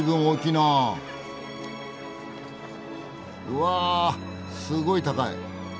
うわっすごい高い。